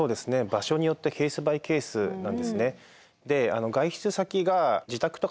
場所によってケースバイケースなんですね。